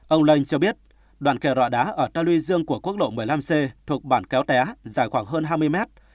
ông linh cho biết đoạn kè rọ đá ở tàu lưu dương của quốc lộ một mươi năm c thuộc bản kéo té dài khoảng hơn hai mươi mét